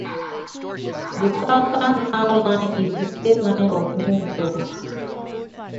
The southern town line is the state line of New Jersey.